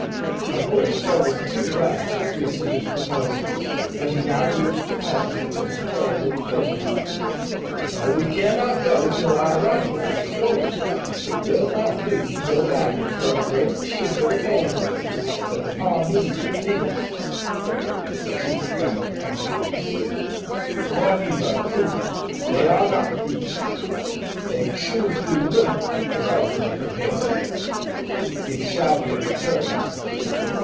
Of course Joe was too glad to agree to this proposal, but he now deemed it politic to display a little firmness. "We cannot go till our rifle is restored. It will not do to go back and tell the great chief of the Pale faces that the Pawnees are thieves." The chief frowned angrily. "The Pawnees are true; they are not thieves. They choose to look at the rifle of the Pale face. It shall be returned."